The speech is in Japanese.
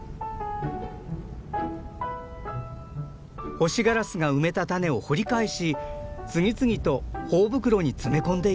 ホシガラスが埋めた種を掘り返し次々と頬袋に詰め込んでいきます。